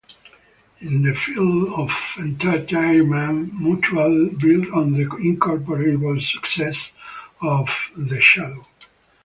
In the field of entertainment, Mutual built on the incomparable success of "The Shadow".